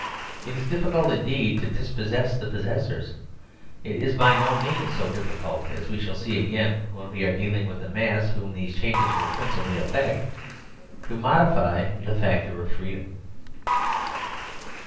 It is difficult indeed to dispossess the possessors. It is by no means so diffi cult (as we shall see again when we are dealing with the mass whom these changes will principally affect) to modify the factor of freedom.